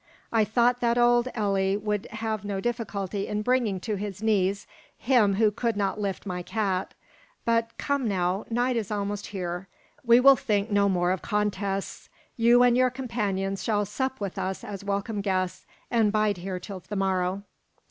I thought that old Elli would have no difficulty in bringing to his knees him who could not lift my cat. But come, now, night is almost here. We will think no more of contests. You and your companions shall sup with us as welcome guests and bide here till the morrow."